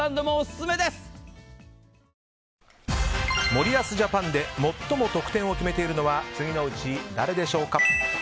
森保ジャパンで最も得点を決めているのは次のうちどれでしょうか。